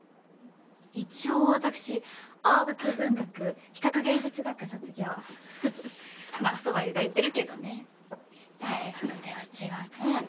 一応私青学文学比較芸術学科卒業まっ蕎麦ゆがいてるけどね大学出は違うとやね